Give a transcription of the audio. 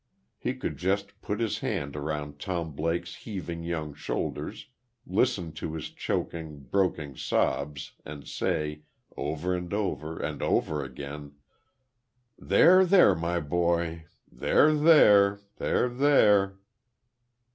He could just put his hand around Tom Blake's heaving young shoulders, listen to his choking, broken sobs and say, over and over, and over again: "There, there, my boy! There, there!